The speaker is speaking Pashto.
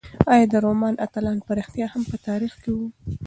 ایا د رومان اتلان په رښتیا هم په تاریخ کې وو؟